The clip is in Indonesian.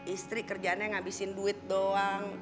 istri kerjaannya ngabisin duit doang